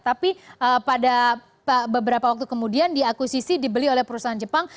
tapi pada beberapa waktu kemudian diakuisisi dibeli oleh perusahaan jepang